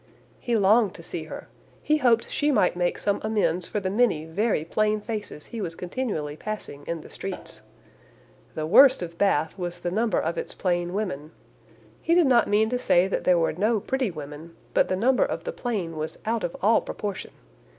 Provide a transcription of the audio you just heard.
"He longed to see her. He hoped she might make some amends for the many very plain faces he was continually passing in the streets. The worst of Bath was the number of its plain women. He did not mean to say that there were no pretty women, but the number of the plain was out of all proportion.